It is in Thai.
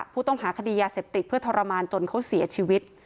ผู้ต้องหาคดียาเสพติดเพื่อทรมานจนเขาเสียชีวิต